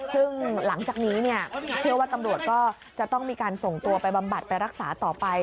ซึ่งหลังจากนี้เชื่อว่าตำรวจก็จะต้องมีการส่งตัวไปบำบัดไปรักษาต่อไป